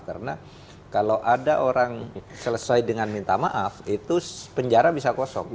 karena kalau ada orang selesai dengan minta maaf itu penjara bisa kosong